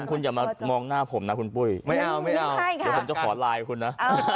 คุณอย่ามามองหน้าผมนะคุณปุ้ยไม่เอาจะขอไลน์ให้คุณนะ